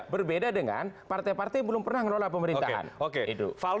berbeda dengan partai partai yang belum pernah ngelola pemerintahan